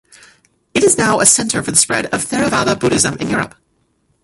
It is now a Centre for the spread of Theravada Buddhism in Europe.